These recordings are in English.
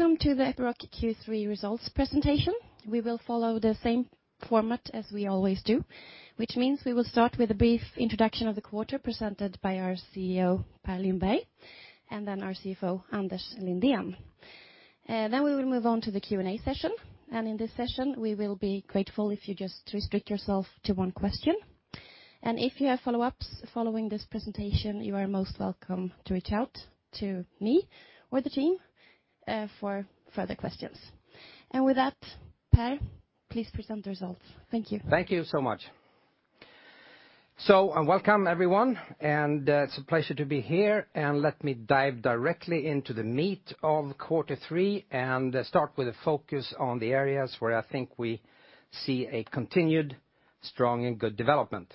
Welcome to the Epiroc Q3 results presentation. We will follow the same format as we always do, which means we will start with a brief introduction of the quarter presented by our CEO, Per Lindberg, and our CFO, Anders Lindén. We will move on to the Q&A session. In this session, we will be grateful if you just restrict yourself to one question. If you have follow-ups following this presentation, you are most welcome to reach out to me or the team for further questions. With that, Per, please present the results. Thank you. Thank you so much. Welcome, everyone. It's a pleasure to be here. Let me dive directly into the meat of quarter three, and start with a focus on the areas where I think we see a continued strong and good development.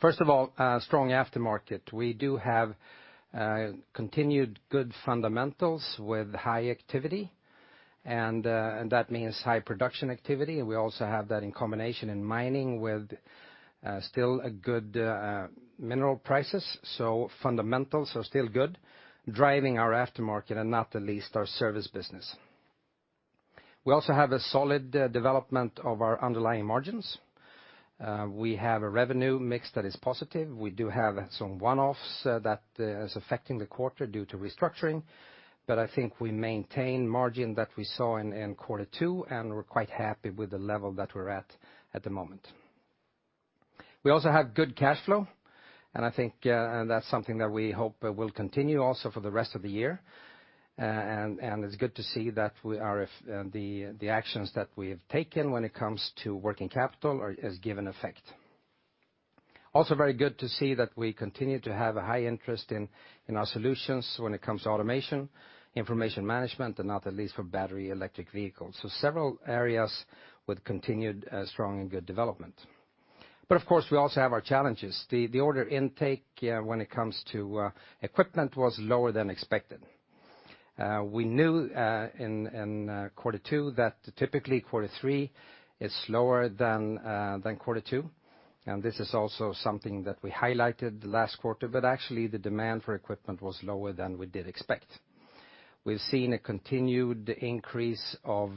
First of all, strong aftermarket. We do have continued good fundamentals with high activity, that means high production activity. We also have that in combination in mining with still a good mineral prices. Fundamentals are still good, driving our aftermarket and not the least, our service business. We also have a solid development of our underlying margins. We have a revenue mix that is positive. We do have some one-offs that is affecting the quarter due to restructuring, I think we maintain margin that we saw in quarter two, we're quite happy with the level that we're at the moment. We also have good cash flow, I think that's something that we hope will continue also for the rest of the year. It's good to see that the actions that we have taken when it comes to working capital has given effect. Also very good to see that we continue to have a high interest in our solutions when it comes to automation, information management, and not the least for battery electric vehicles. Several areas with continued strong and good development. Of course, we also have our challenges. The order intake when it comes to equipment was lower than expected. We knew in quarter two that typically quarter three is lower than quarter two, and this is also something that we highlighted last quarter, but actually the demand for equipment was lower than we did expect. We've seen a continued increase of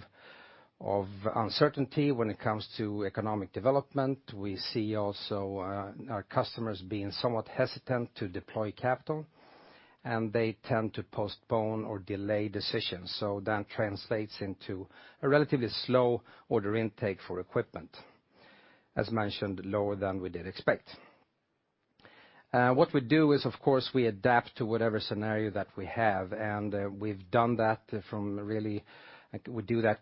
uncertainty when it comes to economic development. We see also our customers being somewhat hesitant to deploy capital, and they tend to postpone or delay decisions. That translates into a relatively slow order intake for equipment. As mentioned, lower than we did expect. What we do is, of course, we adapt to whatever scenario that we have, and we do that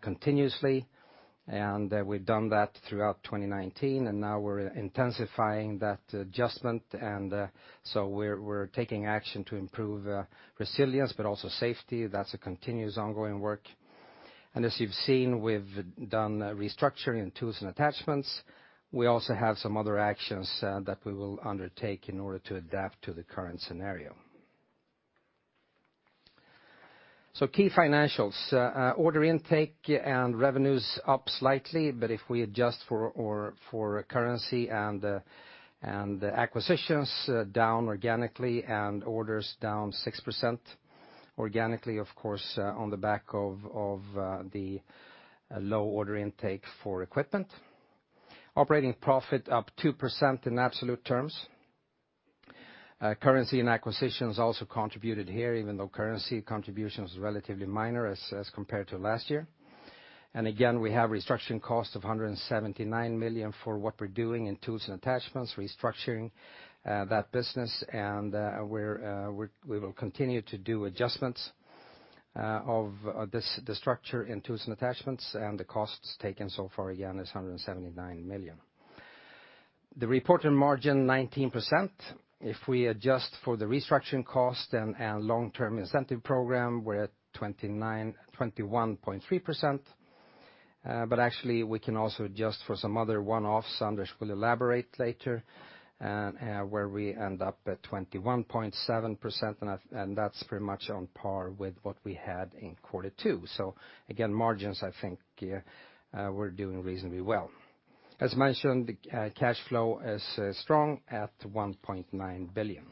continuously, and we've done that throughout 2019, and now we're intensifying that adjustment. We're taking action to improve resilience, but also safety. That's a continuous ongoing work. As you've seen, we've done restructuring in Tools & Attachments. We also have some other actions that we will undertake in order to adapt to the current scenario. Key financials. Order intake and revenues up slightly, if we adjust for currency and acquisitions down organically, and orders down 6% organically, of course, on the back of the low order intake for equipment. Operating profit up 2% in absolute terms. Currency and acquisitions also contributed here, even though currency contributions were relatively minor as compared to last year. Again, we have restructuring costs of 179 million for what we're doing in Tools & Attachments, restructuring that business, and we will continue to do adjustments of the structure in Tools & Attachments, and the costs taken so far, again, is 179 million. The reported margin, 19%. If we adjust for the restructuring cost and long-term incentive program, we're at 21.3%. Actually, we can also adjust for some other one-offs Anders will elaborate later, where we end up at 21.7%, and that's pretty much on par with what we had in quarter two. Again, margins, I think we're doing reasonably well. As mentioned, cash flow is strong at 1.9 billion.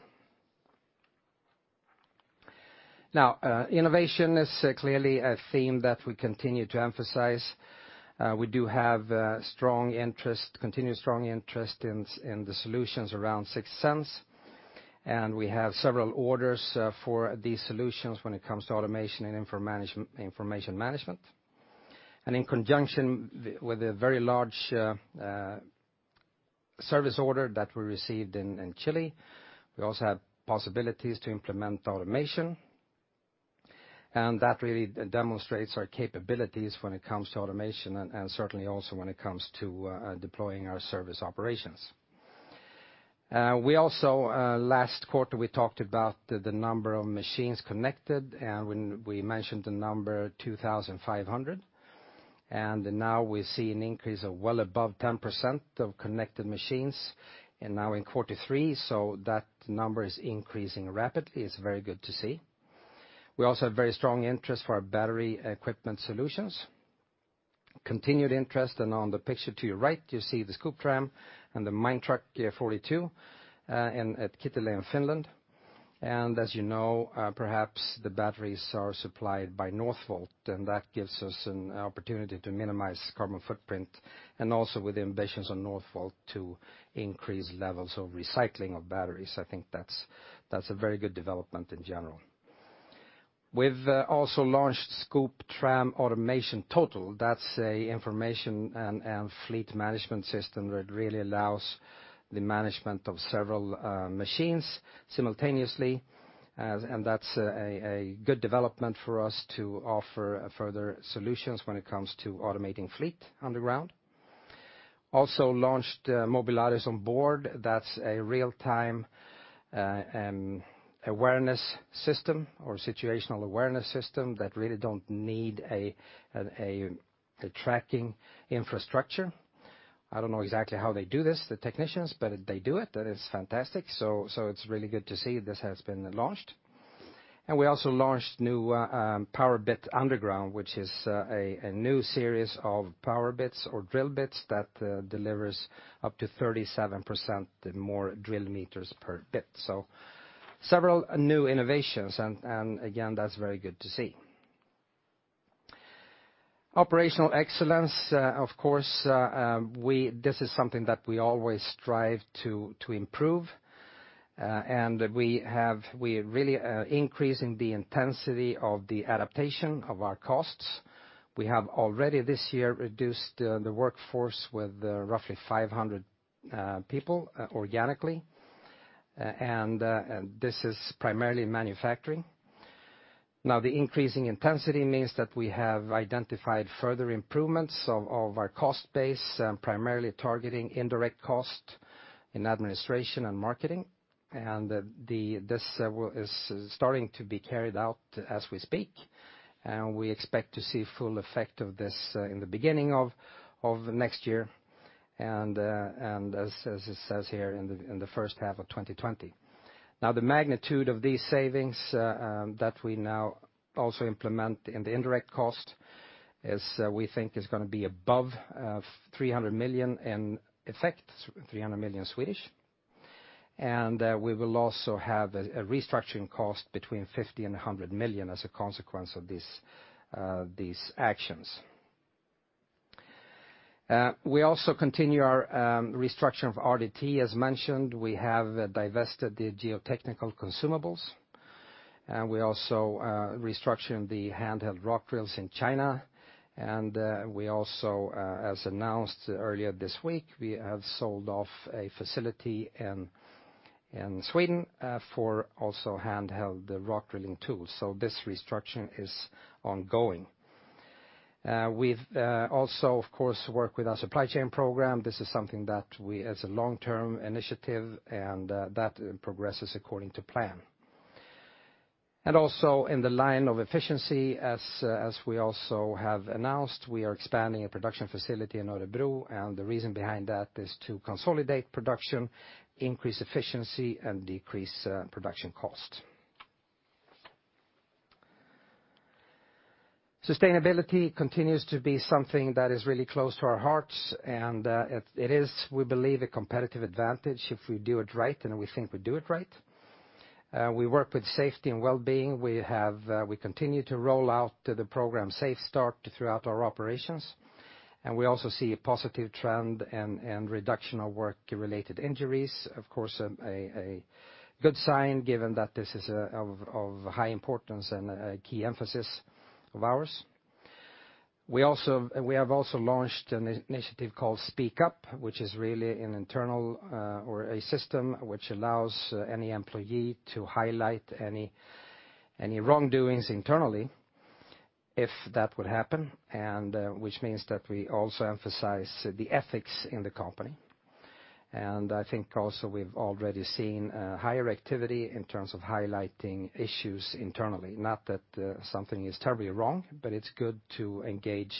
Now, innovation is clearly a theme that we continue to emphasize. We do have continued strong interest in the solutions around 6th Sense. We have several orders for these solutions when it comes to automation and information management. In conjunction with a very large service order that we received in Chile, we also have possibilities to implement automation. That really demonstrates our capabilities when it comes to automation and certainly also when it comes to deploying our service operations. Also last quarter, we talked about the number of machines connected. We mentioned the number 2,500. Now we see an increase of well above 10% of connected machines now in quarter three. That number is increasing rapidly. It's very good to see. We also have very strong interest for our battery equipment solutions. Continued interest, on the picture to your right, you see the Scooptram and the Minetruck MT42 at Kittilä in Finland. As you know, perhaps the batteries are supplied by Northvolt, and that gives us an opportunity to minimize carbon footprint and also with the ambitions on Northvolt to increase levels of recycling of batteries. I think that's a very good development in general. We've also launched Scooptram Automation Total. That's an information and fleet management system that really allows the management of several machines simultaneously. That's a good development for us to offer further solutions when it comes to automating fleet underground. Launched Mobilaris Onboard. That's a real-time awareness system or situational awareness system that really don't need a tracking infrastructure. I don't know exactly how they do this, the technicians, but they do it. That is fantastic. It's really good to see this has been launched. We also launched new Powerbit Underground, which is a new series of power bits or drill bits that delivers up to 37% more drill meters per bit. Several new innovations, and again, that's very good to see. Operational excellence, of course, this is something that we always strive to improve, and we really are increasing the intensity of the adaptation of our costs. We have already this year reduced the workforce with roughly 500 people organically, and this is primarily manufacturing. The increasing intensity means that we have identified further improvements of our cost base, primarily targeting indirect cost in administration and marketing. This is starting to be carried out as we speak, and we expect to see full effect of this in the beginning of next year and, as it says here, in the first half of 2020. The magnitude of these savings that we now also implement in the indirect cost is, we think, going to be above 300 million in effect, 300 million Swedish. We will also have a restructuring cost between 50 million and 100 million as a consequence of these actions. We also continue our restructuring of RDT. As mentioned, we have divested the geotechnical consumables. We also are restructuring the handheld rock drills in China. We also, as announced earlier this week, we have sold off a facility in Sweden for also handheld Rock Drilling Tools. This restructuring is ongoing. We've also, of course, worked with our supply chain program. This is something that we, as a long-term initiative, and that progresses according to plan. Also in the line of efficiency, as we also have announced, we are expanding a production facility in Örebro, and the reason behind that is to consolidate production, increase efficiency, and decrease production cost. Sustainability continues to be something that is really close to our hearts, and it is, we believe, a competitive advantage if we do it right, and we think we do it right. We work with safety and wellbeing. We continue to roll out the program SafeStart throughout our operations, and we also see a positive trend and reduction of work-related injuries. Of course, a good sign given that this is of high importance and a key emphasis of ours. We have also launched an initiative called Speak Up, which is really an internal or a system which allows any employee to highlight any wrongdoings internally if that would happen, which means that we also emphasize the ethics in the company. I think also we've already seen higher activity in terms of highlighting issues internally. Not that something is terribly wrong, but it's good to engage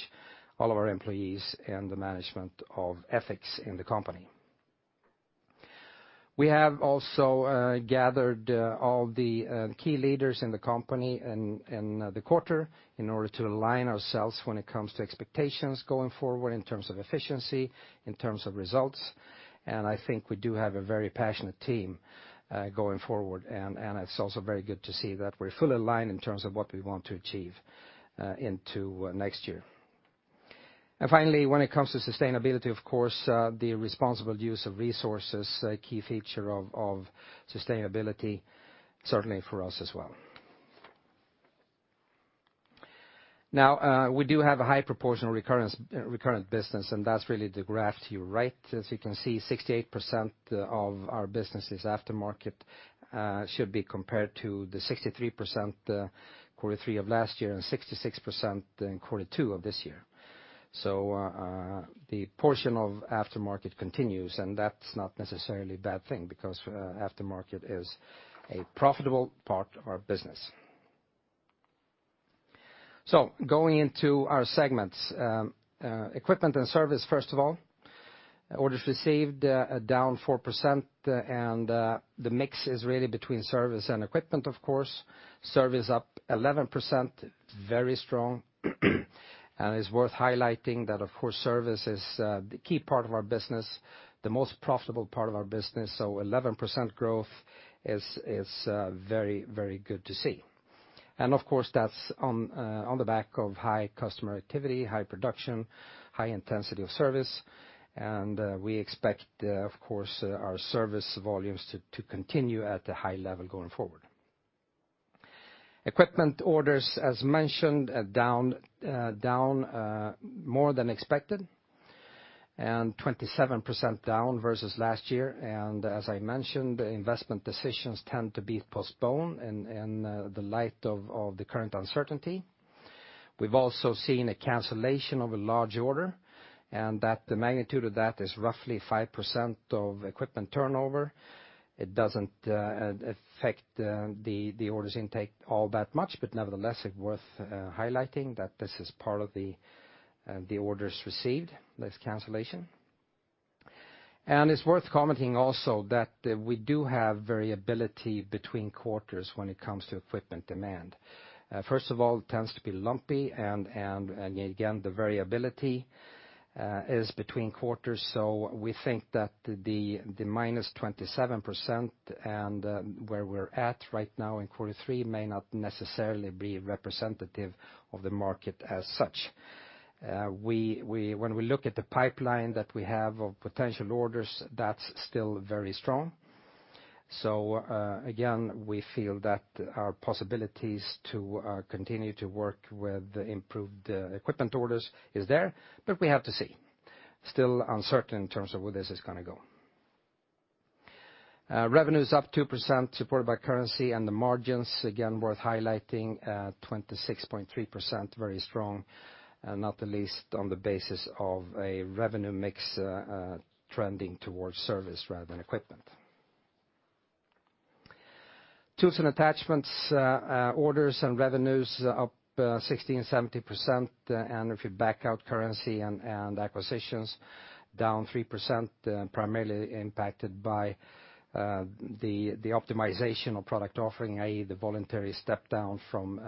all of our employees and the management of ethics in the company. We have also gathered all the key leaders in the company in the quarter in order to align ourselves when it comes to expectations going forward in terms of efficiency, in terms of results. I think we do have a very passionate team going forward, and it's also very good to see that we're fully aligned in terms of what we want to achieve into next year. Finally, when it comes to sustainability, of course, the responsible use of resources, a key feature of sustainability, certainly for us as well. Now, we do have a high proportion of recurrent business, and that's really the graph to your right. As you can see, 68% of our business is aftermarket. Should be compared to the 63% quarter three of last year and 66% in quarter two of this year. The portion of aftermarket continues, and that's not necessarily a bad thing because aftermarket is a profitable part of our business. Going into our segments. Equipment and service, first of all. Orders received are down 4%. The mix is really between service and equipment, of course. Service up 11%, very strong. It's worth highlighting that, of course, service is the key part of our business, the most profitable part of our business. 11% growth is very good to see. Of course, that's on the back of high customer activity, high production, high intensity of service. We expect, of course, our service volumes to continue at a high level going forward. Equipment orders, as mentioned, are down more than expected, and 27% down versus last year. As I mentioned, the investment decisions tend to be postponed in the light of the current uncertainty. We've also seen a cancellation of a large order, and the magnitude of that is roughly 5% of equipment turnover. It doesn't affect the orders intake all that much, but nevertheless, it's worth highlighting that this is part of the orders received, this cancellation. It's worth commenting also that we do have variability between quarters when it comes to equipment demand. First of all, it tends to be lumpy. Again, the variability is between quarters. We think that the -27% and where we're at right now in quarter three may not necessarily be representative of the market as such. When we look at the pipeline that we have of potential orders, that's still very strong. Again, we feel that our possibilities to continue to work with improved equipment orders is there, but we have to see. Still uncertain in terms of where this is going to go. Revenue is up 2%, supported by currency and the margins, again worth highlighting, at 26.3%, very strong, and not the least on the basis of a revenue mix trending towards service rather than equipment. Tools & Attachments orders and revenues up 16%-17%, and if you back out currency and acquisitions, down 3%, primarily impacted by the optimization of product offering, i.e., the voluntary step down from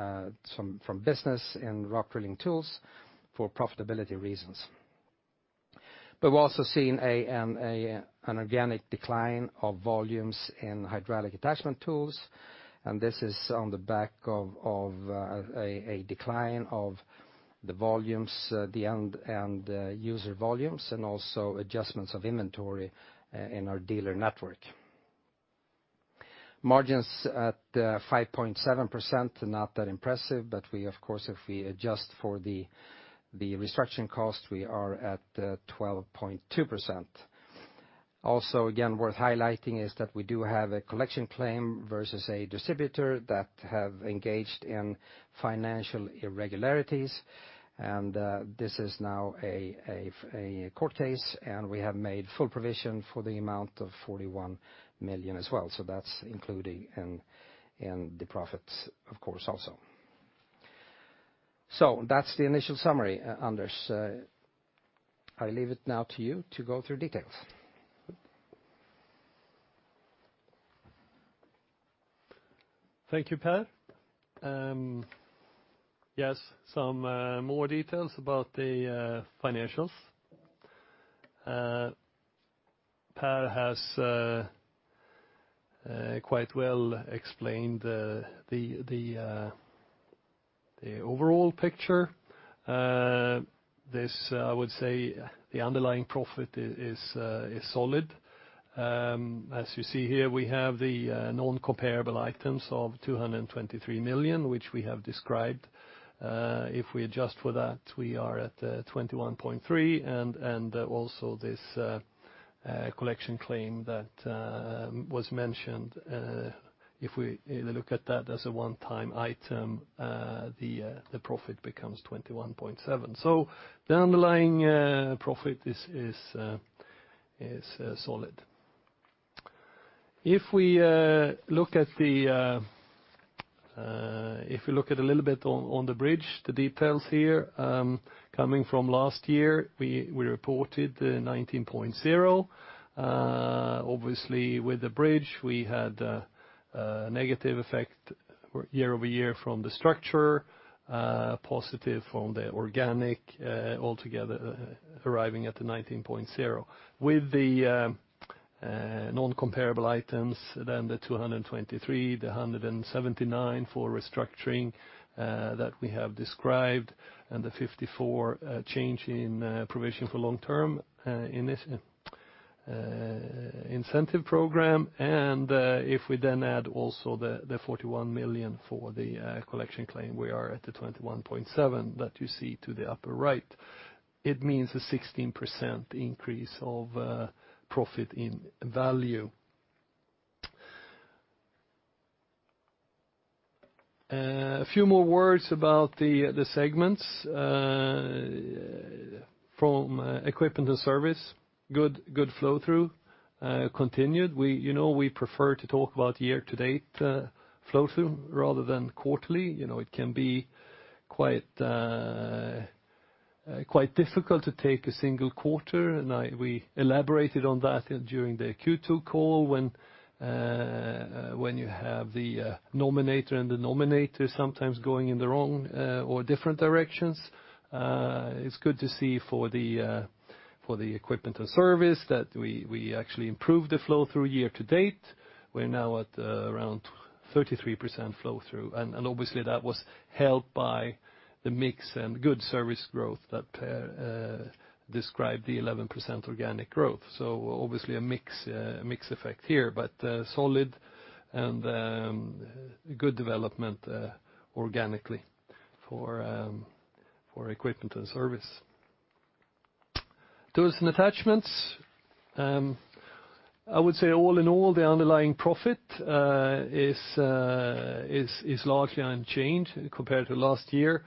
business in Rock Drilling Tools for profitability reasons. We've also seen an organic decline of volumes in hydraulic attachment tools, and this is on the back of a decline of the volumes, the end user volumes, and also adjustments of inventory in our dealer network. Margins at 5.7%, not that impressive, but we of course, if we adjust for the restructuring cost, we are at 12.2%. Also, again, worth highlighting is that we do have a collection claim versus a distributor that have engaged in financial irregularities. This is now a court case, and we have made full provision for the amount of 41 million as well. That's included in the profits, of course, also. That's the initial summary, Anders. I leave it now to you to go through details. Thank you, Per. Some more details about the financials. Per has quite well explained the overall picture. I would say, the underlying profit is solid. You see here, we have the non-comparable items of 223 million, which we have described. We adjust for that, we are at 21.3%, and also this collection claim that was mentioned. We look at that as a one-time item, the profit becomes 21.7. The underlying profit is solid. We look at a little bit on the bridge, the details here, coming from last year, we reported 19.0. Obviously, with the bridge, we had a negative effect year-over-year from the structure, positive from the organic altogether arriving at the 19.0. With the non-comparable items, the 223, the 179 for restructuring that we have described, and the 54 change in provision for long-term incentive program. If we then add also the 41 million for the collection claim, we are at the 21.7% that you see to the upper right. It means a 16% increase of profit in value. A few more words about the segments from equipment to service. Good flow-through continued. We prefer to talk about year-to-date flow-through rather than quarterly. It can be quite difficult to take a single quarter, and we elaborated on that during the Q2 call when you have the nominator and denominator sometimes going in the wrong or different directions. It's good to see for the equipment and service that we actually improved the flow-through year-to-date. We're now at around 33% flow-through, and obviously that was helped by the mix and good service growth that described the 11% organic growth. Obviously a mix effect here, but solid and good development organically for equipment and service. Tools & Attachments. I would say all in all, the underlying profit is largely unchanged compared to last year.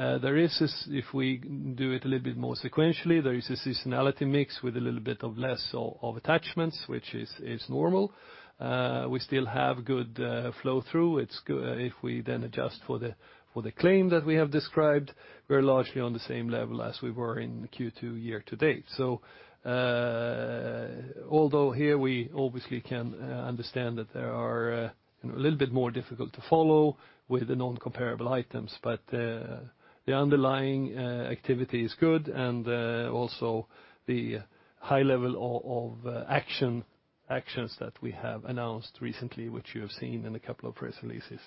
If we do it a little bit more sequentially, there is a seasonality mix with a little bit of less of attachments, which is normal. We still have good flow through. If we then adjust for the claim that we have described, we're largely on the same level as we were in Q2 year-to-date. Although here we obviously can understand that they are a little bit more difficult to follow with the non-comparable items, but the underlying activity is good, and also the high level of actions that we have announced recently, which you have seen in a couple of press releases.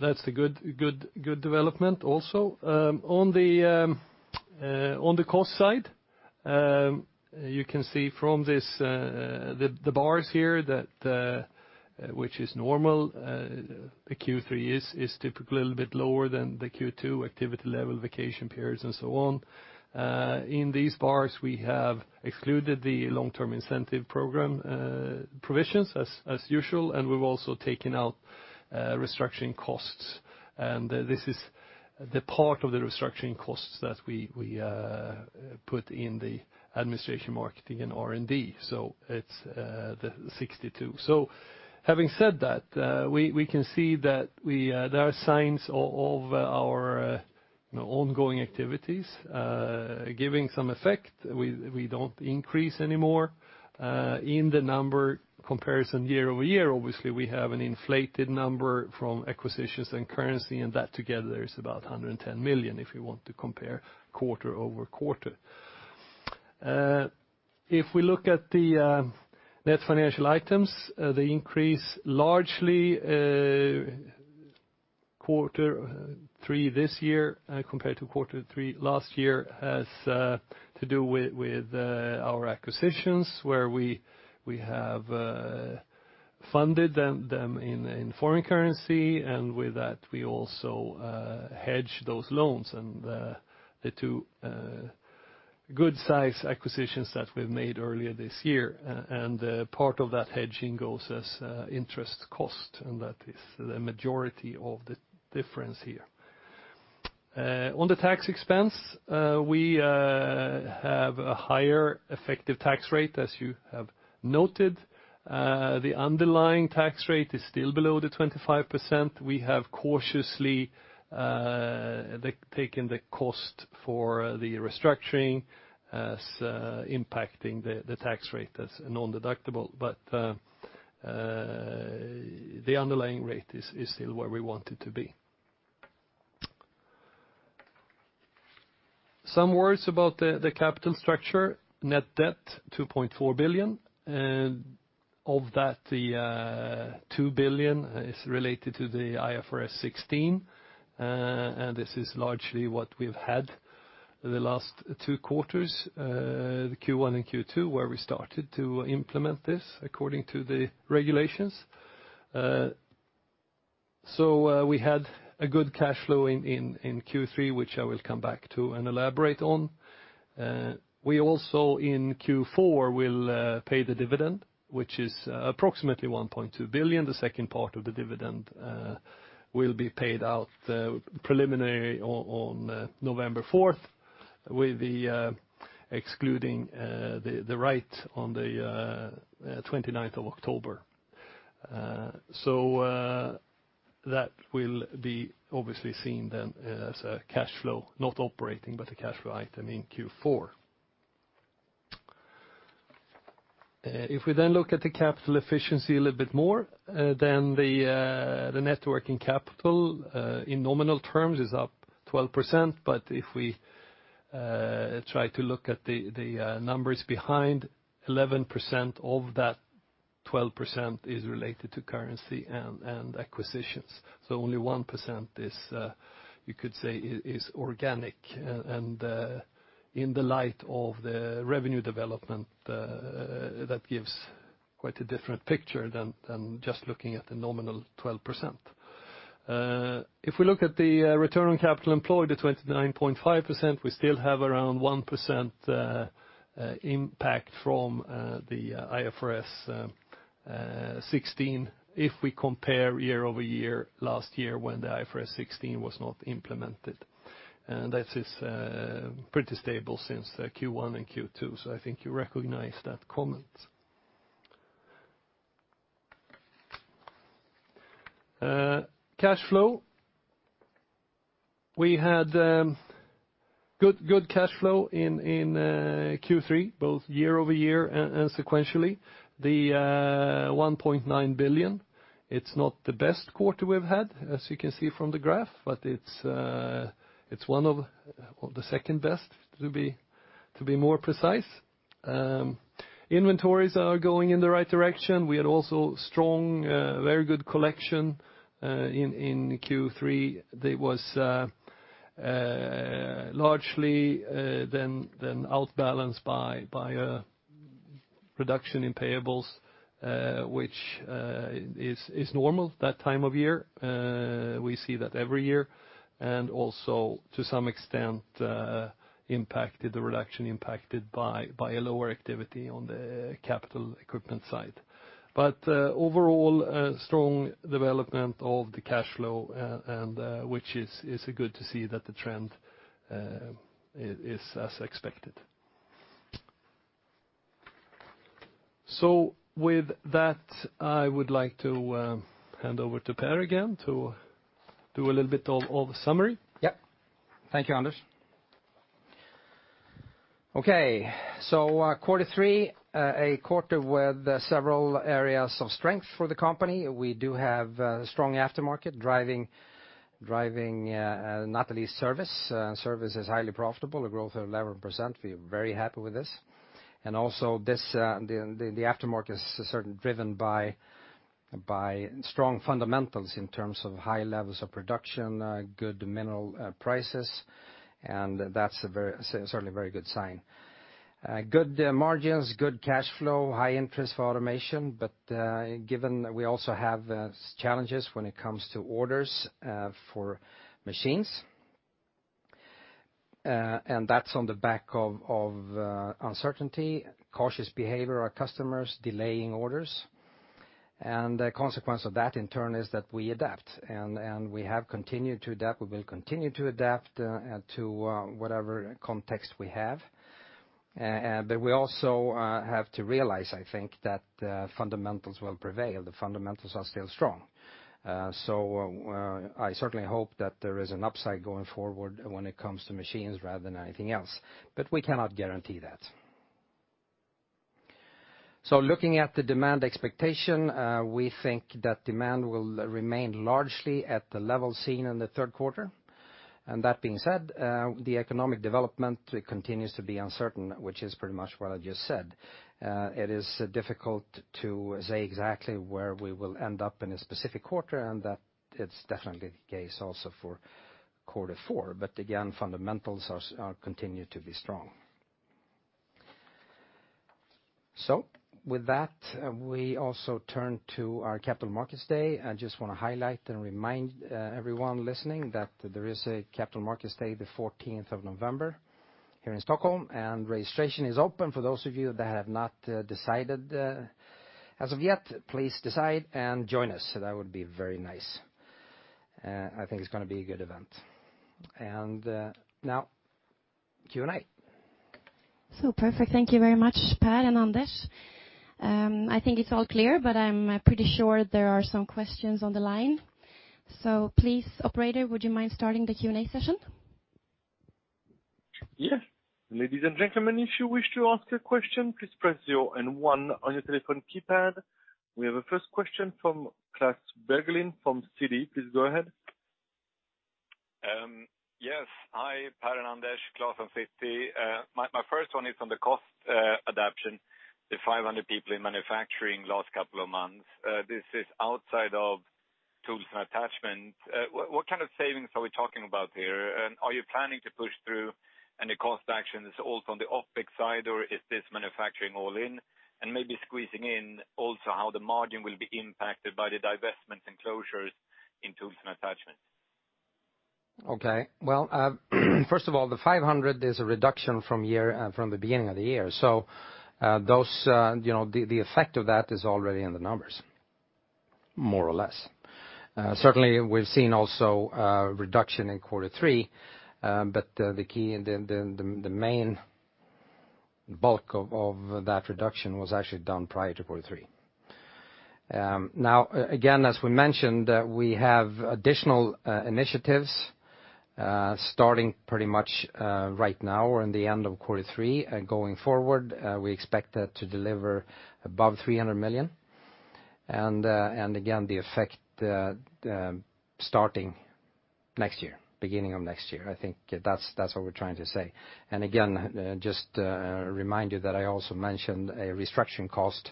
That's a good development also. On the cost side, you can see from the bars here, which is normal, Q3 is typically a little bit lower than the Q2 activity level, vacation periods and so on. In these bars, we have excluded the long-term incentive program provisions as usual, and we've also taken out restructuring costs. This is the part of the restructuring costs that we put in the administration, marketing and R&D. It's the 62. Having said that, we can see that there are signs of our ongoing activities giving some effect. We don't increase anymore in the number comparison year-over-year. Obviously, we have an inflated number from acquisitions and currency, and that together is about 110 million, if you want to compare quarter-over-quarter. If we look at the net financial items, the increase largely quarter three this year compared to quarter three last year has to do with our acquisitions, where we have funded them in foreign currency, and with that, we also hedge those loans, and the two good-size acquisitions that we've made earlier this year. Part of that hedging goes as interest cost, and that is the majority of the difference here. On the tax expense, we have a higher effective tax rate, as you have noted. The underlying tax rate is still below the 25%. We have cautiously taken the cost for the restructuring as impacting the tax rate as non-deductible. The underlying rate is still where we want it to be. Some words about the capital structure. Net debt 2.4 billion, and of that, the 2 billion is related to the IFRS 16, and this is largely what we've had the last two quarters, the Q1 and Q2, where we started to implement this according to the regulations. We had a good cash flow in Q3, which I will come back to and elaborate on. We also, in Q4, will pay the dividend, which is approximately 1.2 billion. The second part of the dividend will be paid out preliminary on November 4th, excluding the right on the 29th of October. That will be obviously seen then as a cash flow, not operating, but a cash flow item in Q4. We look at the capital efficiency a little bit more, the net working capital in nominal terms is up 12%, but if we try to look at the numbers behind, 11% of that 12% is related to currency and acquisitions. Only 1%, you could say, is organic, and in the light of the revenue development, that gives quite a different picture than just looking at the nominal 12%. We look at the return on capital employed, the 29.5%, we still have around 1% impact from the IFRS 16, if we compare year-over-year, last year when the IFRS 16 was not implemented. That is pretty stable since Q1 and Q2. I think you recognize that comment. Cash flow. We had good cash flow in Q3, both year-over-year and sequentially. The 1.9 billion, it's not the best quarter we've had, as you can see from the graph, but it's the second-best, to be more precise. Inventories are going in the right direction. We had also strong, very good collection in Q3. There was largely then outbalanced by a reduction in payables, which is normal that time of year. We see that every year, to some extent, the reduction impacted by a lower activity on the capital equipment side. Overall, strong development of the cash flow, which is good to see that the trend is as expected. With that, I would like to hand over to Per again to do a little bit of the summary. Yep. Thank you, Anders. Okay. Quarter three, a quarter with several areas of strength for the company. We do have strong aftermarket driving not the least service. Service is highly profitable, a growth of 11%. We're very happy with this. Also, the aftermarket is driven by strong fundamentals in terms of high levels of production, good mineral prices, and that's certainly a very good sign. Good margins, good cash flow, high interest for automation, given we also have challenges when it comes to orders for machines, and that's on the back of uncertainty, cautious behavior, our customers delaying orders. The consequence of that in turn is that we adapt, and we have continued to adapt. We will continue to adapt to whatever context we have. We also have to realize, I think, that fundamentals will prevail. The fundamentals are still strong. I certainly hope that there is an upside going forward when it comes to machines rather than anything else. We cannot guarantee that. Looking at the demand expectation, we think that demand will remain largely at the level seen in the third quarter. That being said, the economic development continues to be uncertain, which is pretty much what I just said. It is difficult to say exactly where we will end up in a specific quarter, and that it's definitely the case also for quarter four. Again, fundamentals continue to be strong. With that, we also turn to our Capital Markets Day. I just want to highlight and remind everyone listening that there is a Capital Markets Day, the 14th of November here in Stockholm, and registration is open. For those of you that have not decided as of yet, please decide and join us. That would be very nice. I think it's going to be a good event. Now Q&A. Perfect. Thank you very much, Per and Anders. I think it's all clear, but I'm pretty sure there are some questions on the line. Please, operator, would you mind starting the Q&A session? Yes. Ladies and gentlemen, if you wish to ask a question, please press zero and one on your telephone keypad. We have a first question from Klas Bergelind from Citi. Please go ahead. Yes. Hi, Per and Anders, Klas from Citi. My first one is on the cost adaptation, the 500 people in manufacturing last couple of months. This is outside of Tools & Attachments. What kind of savings are we talking about here? Are you planning to push through any cost actions also on the OpEx side, or is this manufacturing all in? Maybe squeezing in also how the margin will be impacted by the divestments and closures in Tools & Attachments. Okay. Well, first of all, the 500 million is a reduction from the beginning of the year. The effect of that is already in the numbers, more or less. Certainly, we've seen also a reduction in quarter three, but the main bulk of that reduction was actually done prior to quarter three. Again, as we mentioned, we have additional initiatives starting pretty much right now or in the end of quarter three. Going forward, we expect that to deliver above 300 million. Again, the effect starting next year, beginning of next year. I think that's what we're trying to say. Again, just remind you that I also mentioned a restructuring cost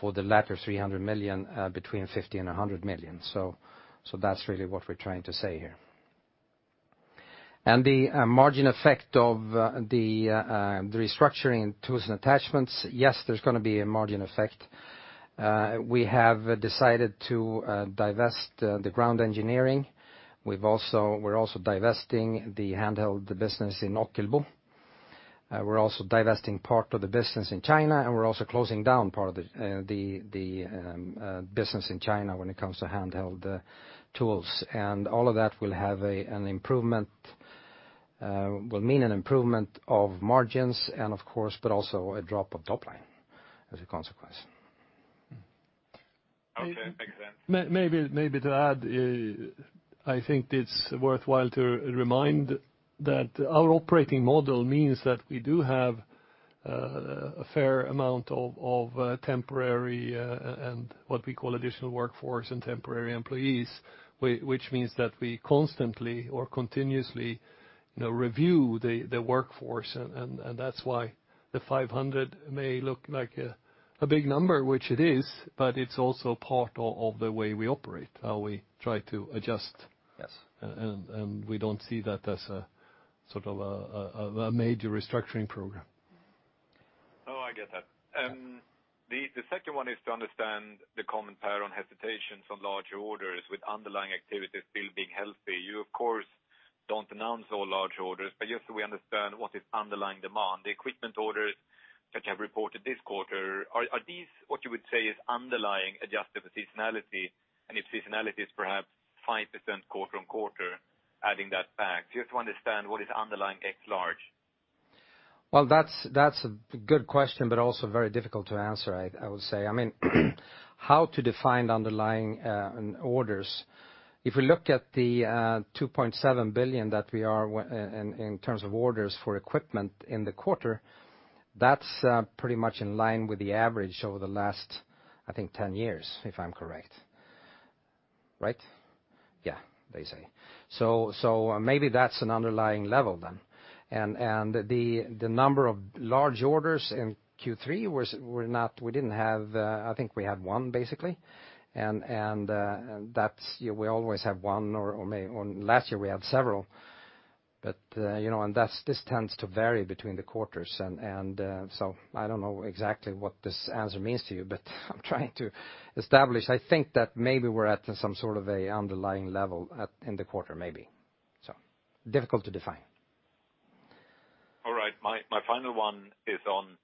for the latter 300 million between 50 million and 100 million. That's really what we're trying to say here. The margin effect of the restructuring Tools & Attachments, yes, there's going to be a margin effect. We have decided to divest the ground engineering. We're also divesting the handheld business in Ockelbo. We're also divesting part of the business in China, and we're also closing down part of the business in China when it comes to handheld tools. All of that will mean an improvement of margins, but also a drop of top line as a consequence. Okay, makes sense. Maybe to add, I think it's worthwhile to remind that our operating model means that we do have a fair amount of temporary, and what we call additional workforce and temporary employees, which means that we constantly or continuously review the workforce. That's why the 500 may look like a big number, which it is, but it's also part of the way we operate, how we try to adjust. Yes. We don't see that as a major restructuring program. No, I get that. The second one is to understand the common pattern on hesitations on large orders with underlying activities still being healthy. You, of course, don't announce all large orders, but just so we understand what is underlying demand. The equipment orders that you have reported this quarter, are these what you would say is underlying adjusted for seasonality? If seasonality is perhaps 5% quarter-on-quarter, adding that back, just to understand what is underlying x large. Well, that's a good question, but also very difficult to answer, I would say. How to define underlying orders? If we look at the 2.7 billion that we are in terms of orders for equipment in the quarter, that's pretty much in line with the average over the last, I think, 10 years, if I'm correct. Right? Yeah, they say. Maybe that's an underlying level then. The number of large orders in Q3, I think we had one basically, and we always have one, last year we had several, but this tends to vary between the quarters. I don't know exactly what this answer means to you, but I'm trying to establish, I think that maybe we're at some sort of an underlying level in the quarter, maybe. Difficult to define. All right. My final one is on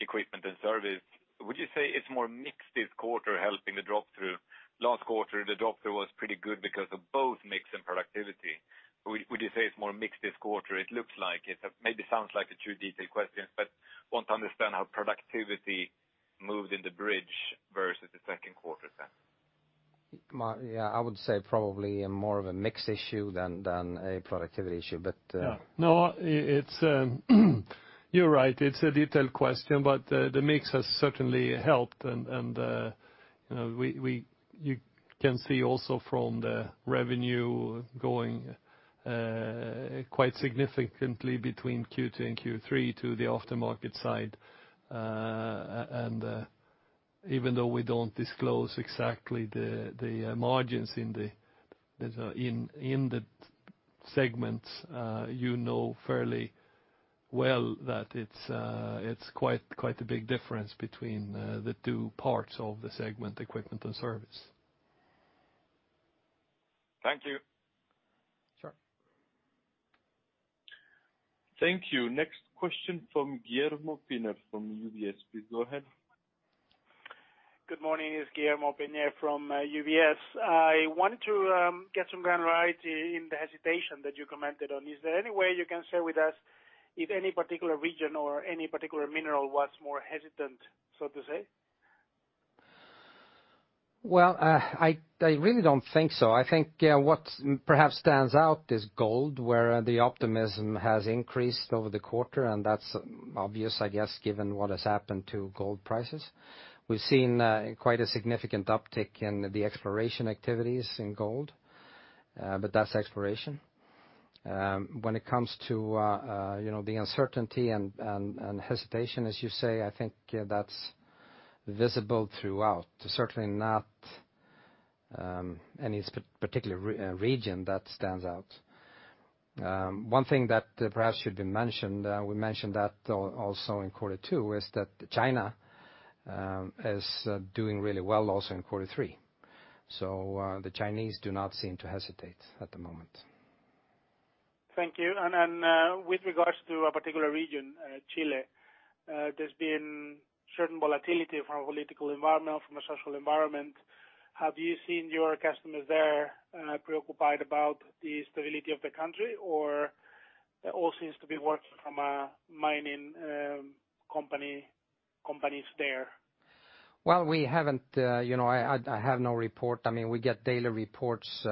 equipment and service. Would you say it's more mix this quarter helping the drop through? Last quarter, the drop through was pretty good because of both mix and productivity. Would you say it's more mix this quarter? It maybe sounds like a too detailed question, but want to understand how productivity moved in the bridge versus the second quarter then. I would say probably more of a mix issue than a productivity issue. No, you're right, it's a detailed question, but the mix has certainly helped. You can see also from the revenue going quite significantly between Q2 and Q3 to the aftermarket side. Even though we don't disclose exactly the margins in the segments, you know fairly well that it's quite a big difference between the two parts of the segment, equipment and service. Thank you. Sure. Thank you. Next question from Guillermo [Piña] from UBS. Please go ahead. Good morning, it's Guillermo [Piña] from UBS. I want to get some ground right in the hesitation that you commented on. Is there any way you can share with us if any particular region or any particular mineral was more hesitant, so to say? Well, I really don't think so. I think what perhaps stands out is gold, where the optimism has increased over the quarter, and that's obvious, I guess, given what has happened to gold prices. We've seen quite a significant uptick in the exploration activities in gold, but that's exploration. When it comes to the uncertainty and hesitation, as you say, I think that's visible throughout. Certainly not any particular region that stands out. One thing that perhaps should be mentioned, we mentioned that also in quarter two, is that China is doing really well also in quarter three. The Chinese do not seem to hesitate at the moment. Thank you. With regards to a particular region, Chile, there's been certain volatility from a political environment, from a social environment. Have you seen your customers there preoccupied about the stability of the country, or all seems to be working from a mining companies there? Well, I have no report. We get daily reports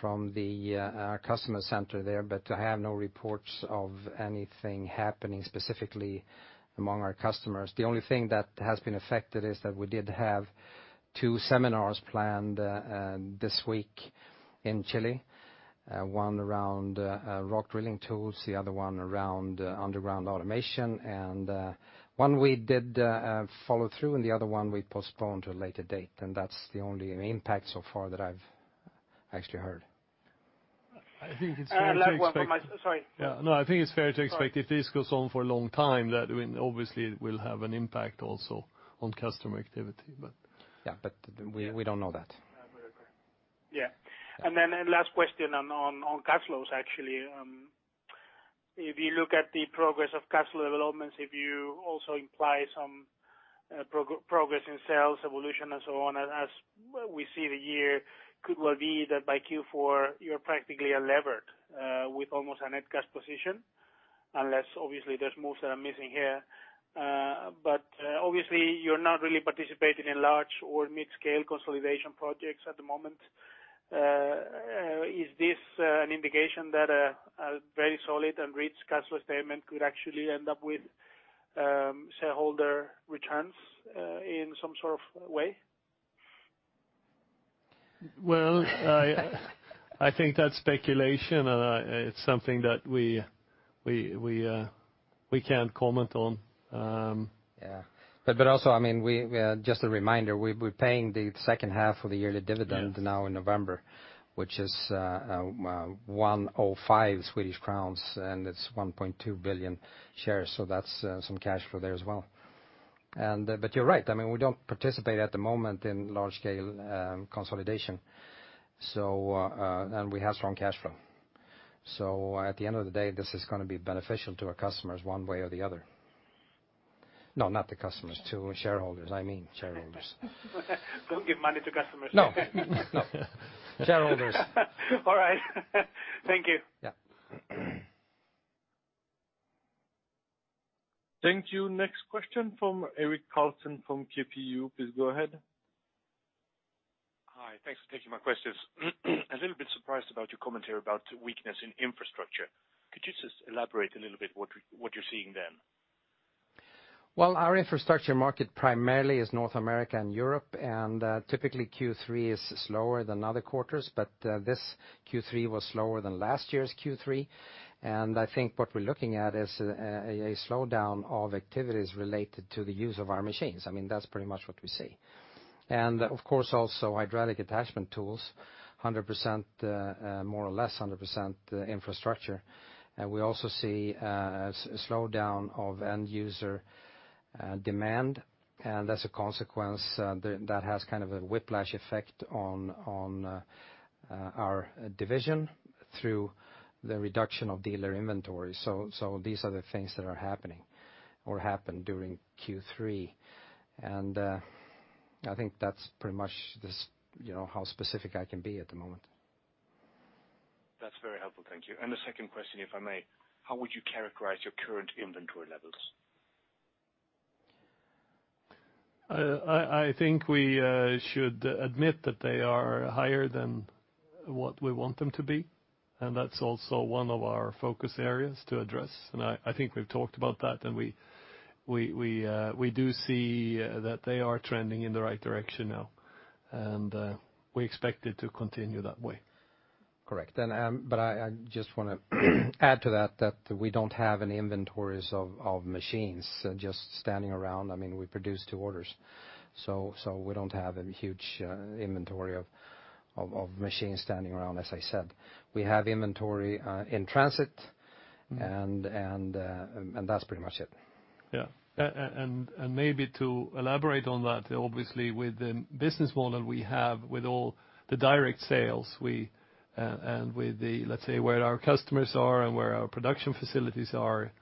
from our customer center there, but I have no reports of anything happening specifically among our customers. The only thing that has been affected is that we did have two seminars planned this week in Chile, one around Rock Drilling Tools, the other one around underground automation. One we did follow through, and the other one we postponed to a later date. That's the only impact so far that I've actually heard. I think it's fair to expect- Sorry. I think it's fair to expect if this goes on for a long time, that obviously it will have an impact also on customer activity. Yeah, we don't know that. Yeah. Last question on cash flows, actually. If you look at the progress of cash flow developments, if you also imply some progress in sales evolution and so on, as we see the year could well be that by Q4, you're practically a levered, with almost a net cash position. Unless, obviously there's moves that are missing here. Obviously you're not really participating in large or mid-scale consolidation projects at the moment. Is this an indication that a very solid and rich cash flow statement could actually end up with shareholder returns in some sort of way? Well, I think that's speculation. It's something that we can't comment on. Yeah. Also, just a reminder, we're paying the second half of the yearly dividend. Yes now in November, which is 1.05 Swedish crowns, It's 1.2 billion shares. That's some cash flow there as well. You're right. We don't participate at the moment in large-scale consolidation. We have strong cash flow. At the end of the day, this is going to be beneficial to our customers one way or the other. No, not the customers, to shareholders, I mean shareholders. Don't give money to customers. No. Shareholders. All right. Thank you. Yeah. Thank you. Next question from Erik Karlsson from. Please go ahead. Hi. Thanks for taking my questions. A little bit surprised about your commentary about weakness in infrastructure. Could you just elaborate a little bit what you're seeing then? Well, our infrastructure market primarily is North America and Europe, and typically Q3 is slower than other quarters, but this Q3 was slower than last year's Q3. I think what we're looking at is a slowdown of activities related to the use of our machines. That's pretty much what we see. Of course, also hydraulic attachment tools, more or less 100% infrastructure. We also see a slowdown of end user demand, and as a consequence, that has kind of a whiplash effect on our division through the reduction of dealer inventory. These are the things that are happening or happened during Q3. I think that's pretty much just how specific I can be at the moment. That's very helpful. Thank you. A second question, if I may. How would you characterize your current inventory levels? I think we should admit that they are higher than what we want them to be, that's also one of our focus areas to address. I think we've talked about that, we do see that they are trending in the right direction now. We expect it to continue that way. Correct. I just want to add to that we don't have any inventories of machines just standing around. We produce to orders. We don't have a huge inventory of machines standing around, as I said. We have inventory in transit, and that's pretty much it. Yeah. Maybe to elaborate on that, obviously with the business model we have, with all the direct sales, and with the, let's say, where our customers are and where our production facilities are,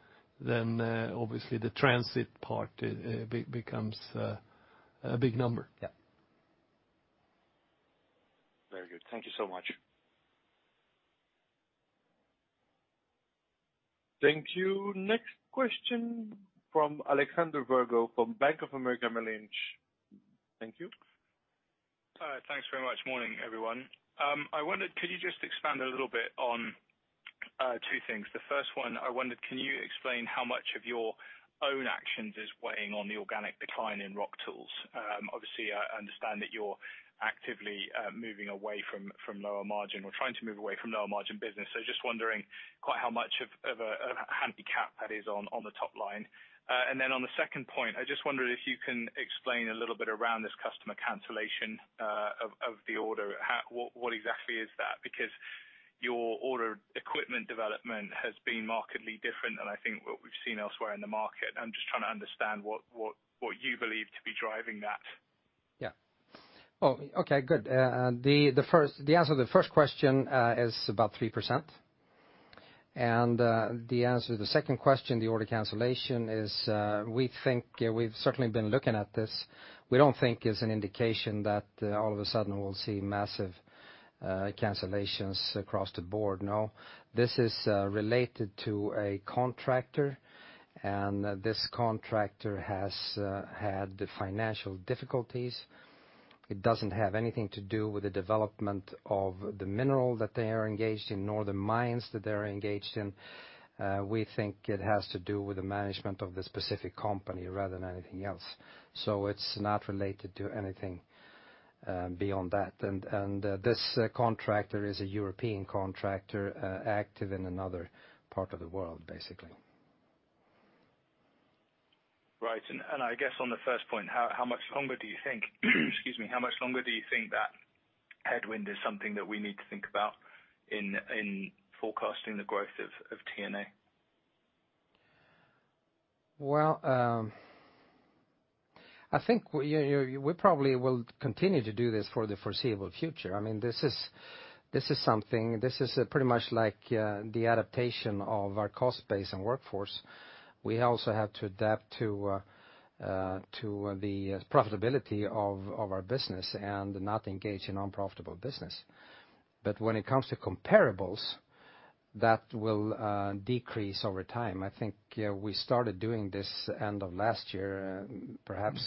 then obviously the transit part becomes a big number. Yeah. Very good. Thank you so much. Thank you. Next question from Alexander Virgo from Bank of America Merrill Lynch. Thank you. Thanks very much. Morning, everyone. I wondered, could you just expand a little bit on two things. The first one, I wondered, can you explain how much of your own actions is weighing on the organic decline in Rock Tools? Obviously, I understand that you're actively moving away from lower margin, or trying to move away from lower margin business. Just wondering quite how much of a handicap that is on the top line. On the second point, I just wondered if you can explain a little bit around this customer cancellation of the order. What exactly is that? Your order equipment development has been markedly different than I think what we've seen elsewhere in the market, and I'm just trying to understand what you believe to be driving that. Yeah. Okay, good. The answer to the first question is about 3%. The answer to the second question, the order cancellation is, we've certainly been looking at this. We don't think it's an indication that all of a sudden we'll see massive cancellations across the board, no. This is related to a contractor, and this contractor has had financial difficulties. It doesn't have anything to do with the development of the mineral that they are engaged in, nor the mines that they're engaged in. We think it has to do with the management of the specific company rather than anything else. It's not related to anything beyond that. This contractor is a European contractor active in another part of the world, basically. Right. I guess on the first point. Excuse me. How much longer do you think that headwind is something that we need to think about in forecasting the growth of T&A? Well, I think we probably will continue to do this for the foreseeable future. This is pretty much like the adaptation of our cost base and workforce. We also have to adapt to the profitability of our business and not engage in unprofitable business. When it comes to comparables, that will decrease over time. I think we started doing this end of last year, perhaps.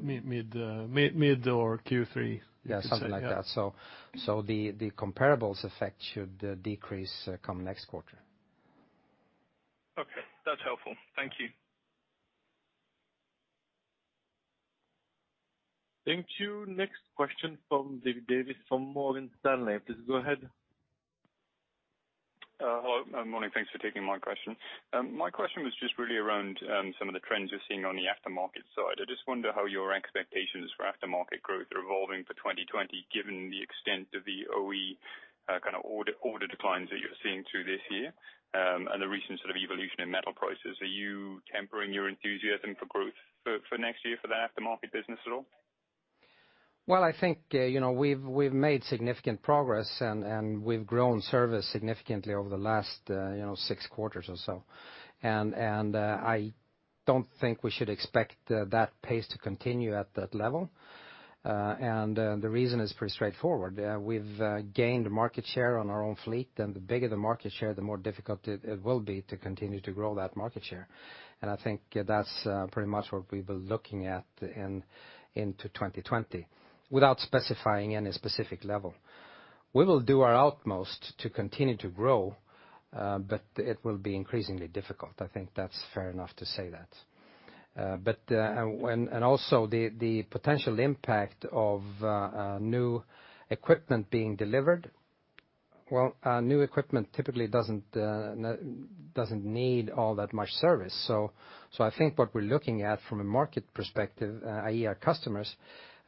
Mid or Q3. Yeah, something like that. The comparables effect should decrease come next quarter. Okay. That's helpful. Thank you. Thank you. Next question from David Davis from Morgan Stanley. Please go ahead. Hello. Morning. Thanks for taking my question. My question was just really around some of the trends you're seeing on the aftermarket side. I just wonder how your expectations for aftermarket growth are evolving for 2020, given the extent of the OE order declines that you're seeing through this year, and the recent sort of evolution in metal prices. Are you tempering your enthusiasm for growth for next year for the aftermarket business at all? Well, I think, we've made significant progress and we've grown service significantly over the last six quarters or so. I don't think we should expect that pace to continue at that level. The reason is pretty straightforward. We've gained market share on our own fleet, and the bigger the market share, the more difficult it will be to continue to grow that market share. I think that's pretty much what we'll be looking at into 2020, without specifying any specific level. We will do our utmost to continue to grow, but it will be increasingly difficult. I think that's fair enough to say that. Also the potential impact of new equipment being delivered. Well, new equipment typically doesn't need all that much service. I think what we're looking at from a market perspective, i.e., our customers,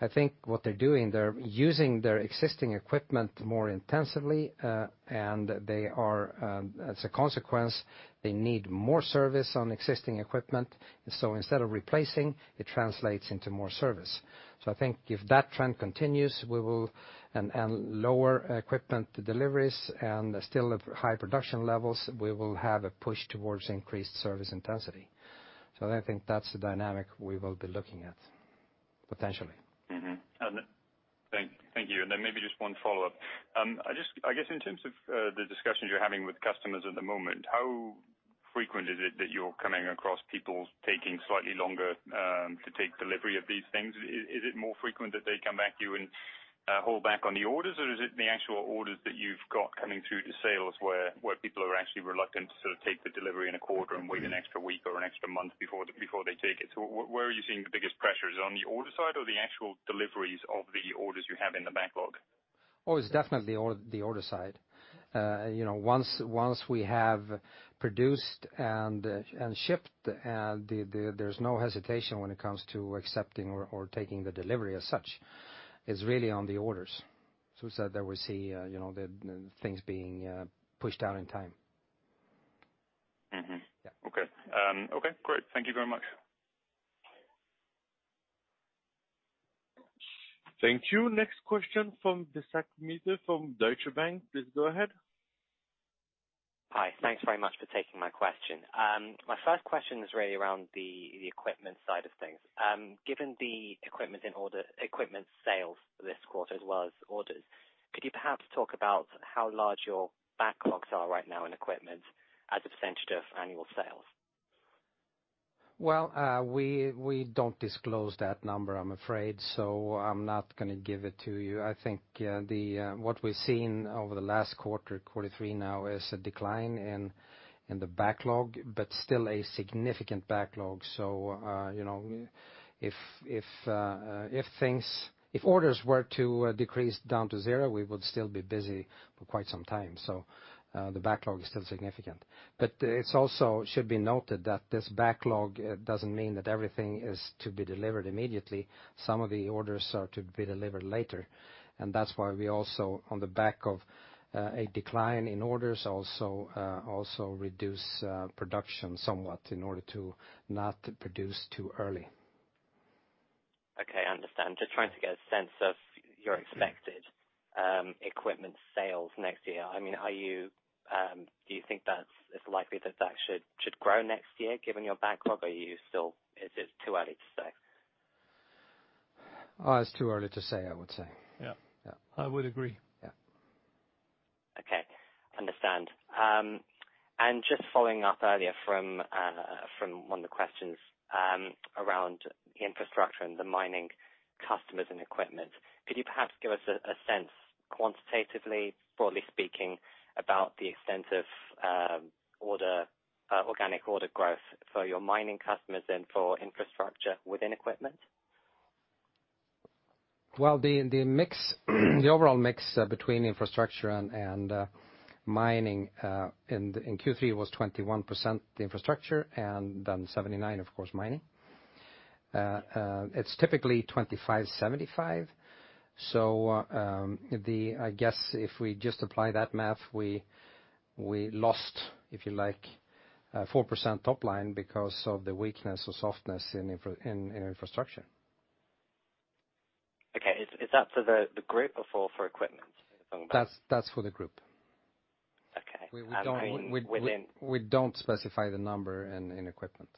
I think what they're doing, they're using their existing equipment more intensively, and as a consequence, they need more service on existing equipment. Instead of replacing, it translates into more service. I think if that trend continues, and lower equipment deliveries and still high production levels, we will have a push towards increased service intensity. I think that's the dynamic we will be looking at potentially. Mm-hmm. Thank you. Then maybe just one follow-up. I guess in terms of the discussions you're having with customers at the moment, how frequent is it that you're coming across people taking slightly longer to take delivery of these things? Is it more frequent that they come back to you and hold back on the orders? Is it the actual orders that you've got coming through to sales, where people are actually reluctant to take the delivery in a quarter and wait an extra week or an extra month before they take it? Where are you seeing the biggest pressures? On the order side or the actual deliveries of the orders you have in the backlog? Oh, it's definitely the order side. Once we have produced and shipped, there's no hesitation when it comes to accepting or taking the delivery as such. It's really on the orders. It's that we see the things being pushed out in time. Yeah. Okay. Great. Thank you very much. Thank you. Next question from [Disat Mitre] from Deutsche Bank. Please go ahead. Hi. Thanks very much for taking my question. My first question is really around the equipment side of things. Given the equipment sales this quarter as well as orders, could you perhaps talk about how large your backlogs are right now in equipment as a percentage of annual sales? Well, we don't disclose that number, I'm afraid. I'm not going to give it to you. I think what we've seen over the last quarter three now, is a decline in the backlog, but still a significant backlog. If orders were to decrease down to zero, we would still be busy for quite some time. The backlog is still significant. It also should be noted that this backlog doesn't mean that everything is to be delivered immediately. Some of the orders are to be delivered later. That's why we also, on the back of a decline in orders, also reduce production somewhat in order to not produce too early. Okay, I understand. Just trying to get a sense of your expected equipment sales next year. Do you think that it's likely that should grow next year given your backlog? Or is it too early to say? It's too early to say, I would say. Yeah. Yeah. I would agree. Yeah. Okay. Understand. Just following up earlier from one of the questions around infrastructure and the mining customers and equipment, could you perhaps give us a sense quantitatively, broadly speaking, about the extent of organic order growth for your mining customers and for infrastructure within equipment? Well, the overall mix between infrastructure and mining in Q3 was 21% infrastructure and then 79%, of course, mining. It's typically 25/75. I guess if we just apply that math, we lost 4% top line because of the weakness or softness in infrastructure. Okay. Is that for the group or for equipment? That's for the group. Okay. We don't specify the number in equipment.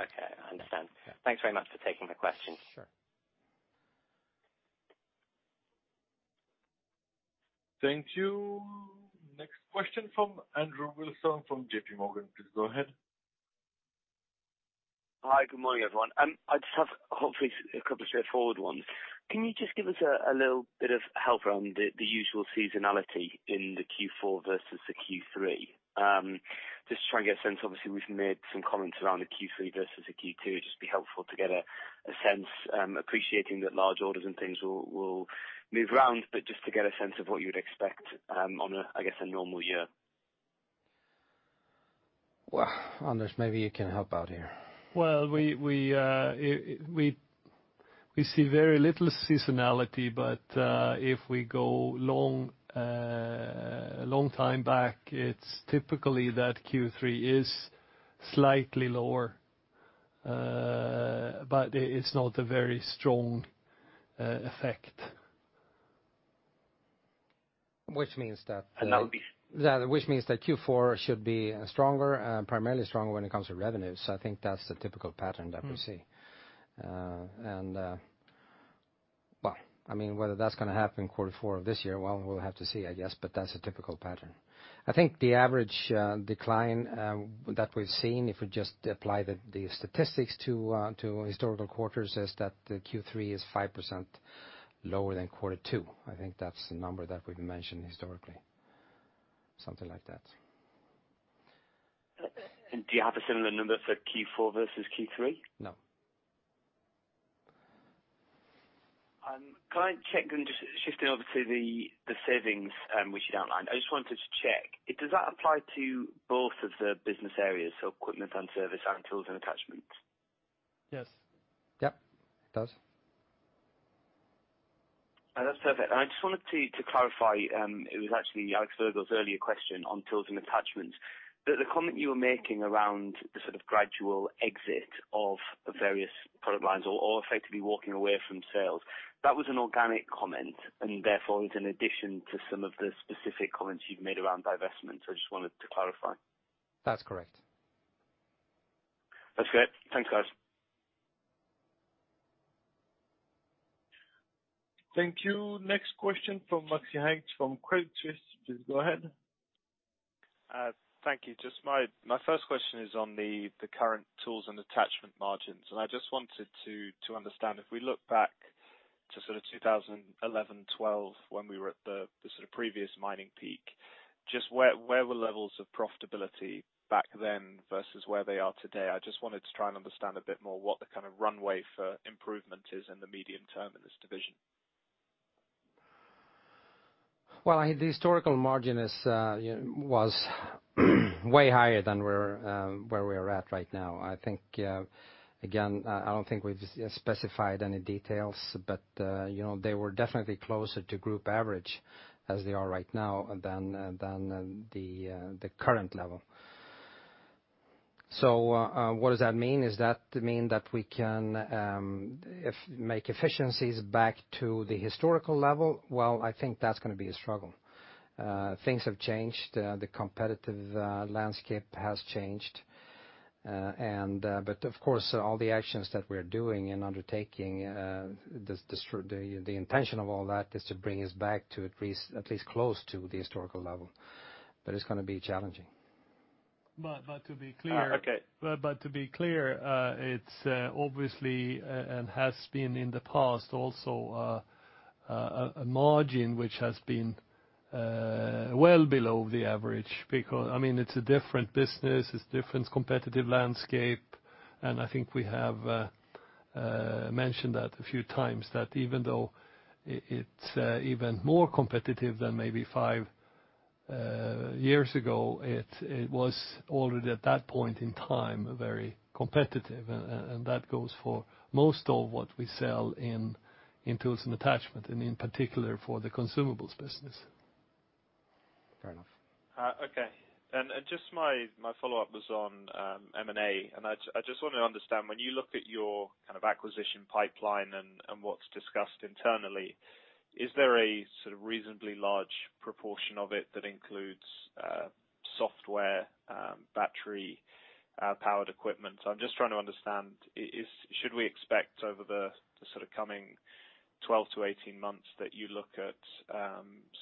Okay, I understand. Yeah. Thanks very much for taking the question. Sure. Thank you. Next question from Andrew Wilson from JPMorgan. Please go ahead. Hi, good morning, everyone. I just have, hopefully, a couple straightforward ones. Can you just give us a little bit of help around the usual seasonality in the Q4 versus the Q3? Just trying to get a sense. Obviously, we've made some comments around the Q3 versus the Q2, it'd just be helpful to get a sense, appreciating that large orders and things will move around, but just to get a sense of what you'd expect on a normal year. Well, Anders, maybe you can help out here. Well, we see very little seasonality, but if we go a long time back, it's typically that Q3 is slightly lower, but it's not a very strong effect. Which means that- And that would be- Which means that Q4 should be stronger, primarily stronger when it comes to revenues. I think that's the typical pattern that we see. Well, whether that's going to happen in quarter four of this year, well, we'll have to see, I guess, but that's a typical pattern. I think the average decline that we've seen, if we just apply the statistics to historical quarters, is that the Q3 is 5% lower than quarter two. I think that's the number that we've mentioned historically. Something like that. Do you have a similar number for Q4 versus Q3? No. Can I check, just shifting over to the savings, which you'd outlined. I just wanted to check. Does that apply to both of the business areas, so Equipment and Service and Tools & Attachments? Yes. Yep. It does. That's perfect. I just wanted to clarify, it was actually Alexander Virgo's earlier question on Tools & Attachments. That the comment you were making around the sort of gradual exit of various product lines or effectively walking away from sales, that was an organic comment, and therefore it's an addition to some of the specific comments you've made around divestment. I just wanted to clarify. That's correct. That's great. Thanks, guys. Thank you. Next question from Max Yates from Credit Suisse. Please go ahead. Thank you. My first question is on the current Tools & Attachments margins. I just wanted to understand, if we look back to sort of 2011/2012 when we were at the sort of previous mining peak, just where were levels of profitability back then versus where they are today? I just wanted to try and understand a bit more what the kind of runway for improvement is in the medium term in this division. Well, the historical margin was way higher than where we're at right now. Again, I don't think we've specified any details, but they were definitely closer to group average as they are right now than the current level. What does that mean? Does that mean that we can make efficiencies back to the historical level? Well, I think that's gonna be a struggle. Things have changed. The competitive landscape has changed. Of course, all the actions that we're doing and undertaking, the intention of all that is to bring us back to at least close to the historical level. It's gonna be challenging. To be clear. Okay To be clear, it's obviously, and has been in the past also, a margin which has been well below the average. It's a different business, it's different competitive landscape, and I think we have mentioned that a few times, that even though it's even more competitive than maybe five years ago, it was already at that point in time, very competitive, and that goes for most of what we sell in Tools & Attachments, and in particular for the consumables business. Fair enough. Okay. Just my follow-up was on M&A, and I just want to understand, when you look at your acquisition pipeline and what's discussed internally, is there a sort of reasonably large proportion of it that includes software, battery-powered equipment? I'm just trying to understand, should we expect over the sort of coming 12 to 18 months that you look at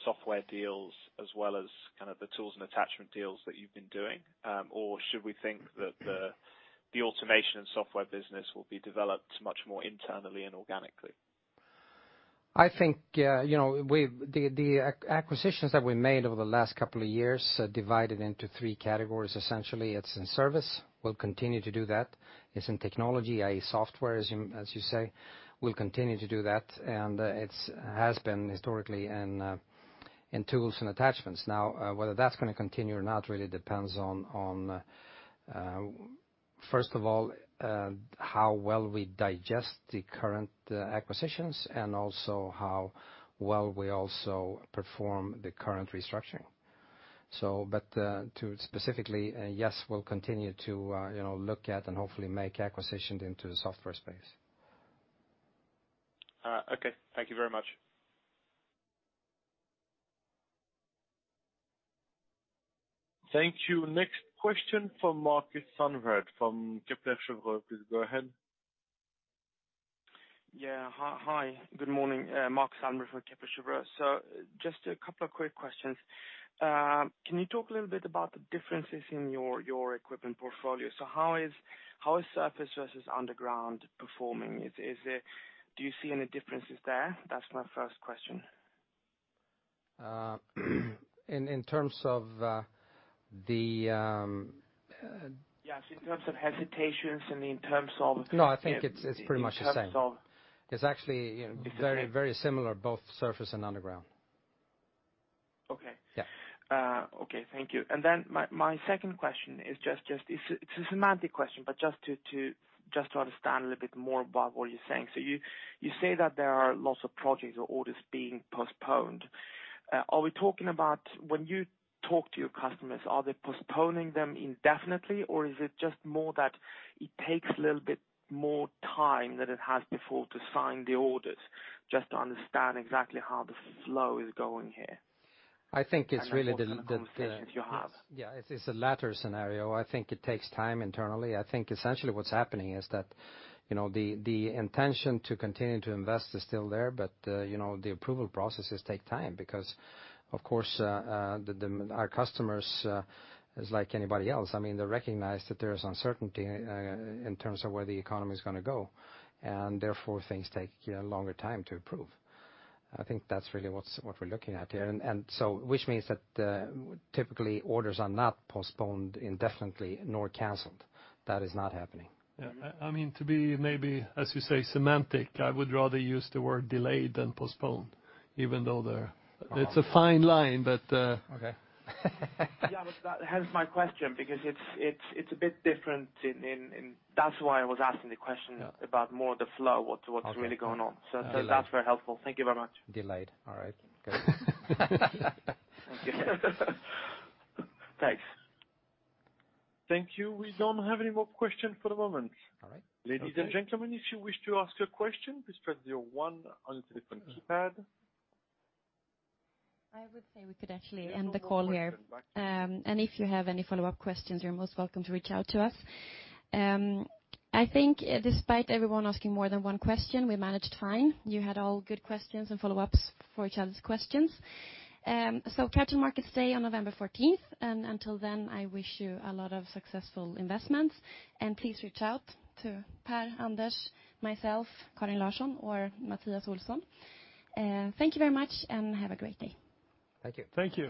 software deals as well as kind of the tools and attachment deals that you've been doing? Should we think that the automation and software business will be developed much more internally and organically? I think the acquisitions that we made over the last couple of years divided into three categories. Essentially, it's in service, we'll continue to do that. It's in technology, i.e. software, as you say, we'll continue to do that. It has been historically in Tools & Attachments. Whether that's going to continue or not really depends on, first of all, how well we digest the current acquisitions and how well we perform the current restructuring. To specifically, yes, we'll continue to look at and hopefully make acquisitions into the software space. Okay. Thank you very much. Thank you. Next question from Mark [Sander] from Kepler Cheuvreux. Please go ahead. Yeah. Hi, good morning. Mark [Sander] from Kepler Cheuvreux. Just a couple of quick questions. Can you talk a little bit about the differences in your equipment portfolio? How is surface versus underground performing? Do you see any differences there? That's my first question. In terms of the Yes, in terms of hesitations and. No, I think it's pretty much the same. In terms of- It's actually very similar, both surface and underground. Okay. Yeah. Okay, thank you. My second question is just a semantic question, but just to understand a little bit more about what you're saying. You say that there are lots of projects or orders being postponed. Are we talking about when you talk to your customers, are they postponing them indefinitely, or is it just more that it takes a little bit more time than it has before to sign the orders? Just to understand exactly how the flow is going here. I think it's really. What kind of conversations you have. Yeah, it's a latter scenario. I think it takes time internally. I think essentially what's happening is that the intention to continue to invest is still there, but the approval processes take time because, of course, our customers is like anybody else. They recognize that there is uncertainty in terms of where the economy is going to go, and therefore things take a longer time to approve. I think that's really what we're looking at here. Which means that typically orders are not postponed indefinitely nor canceled. That is not happening. Yeah. To be maybe, as you say, semantic, I would rather use the word delayed than postponed. Even though it's a fine line, but- Okay. That hence my question, because it's a bit different and that's why I was asking the question about more the flow, what's really going on. Okay. That's very helpful. Thank you very much. Delayed. All right. Good. Thanks. Thank you. We don't have any more questions for the moment. All right. Ladies and gentlemen, if you wish to ask a question, please press your one on the telephone keypad. I would say we could actually end the call here. If you have any follow-up questions, you're most welcome to reach out to us. I think despite everyone asking more than one question, we managed fine. You had all good questions and follow-ups for each other's questions. Capital Markets Day on November 14th, and until then, I wish you a lot of successful investments, and please reach out to Per, Anders, myself, Karin Larsson or Mattias Olsson. Thank you very much and have a great day. Thank you. Thank you.